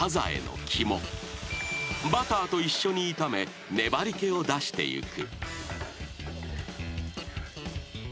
［バターと一緒に炒め粘り気を出していく］